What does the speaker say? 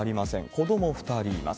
子ども２人います。